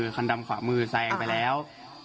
คันดำขวามือแซงไปแล้ว